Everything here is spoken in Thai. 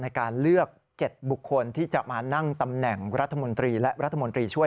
ในการเลือก๗บุคคลที่จะมานั่งตำแหน่งรัฐมนตรีและรัฐมนตรีช่วย